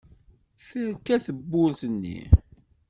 Terka tewwurt-nni.